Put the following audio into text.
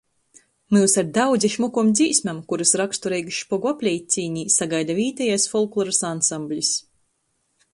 Myus ar daudzi šmukom dzīsmem, kurys rakstureigys Špogu apleicīnī, sagaida vītejais folklorys ansambļs.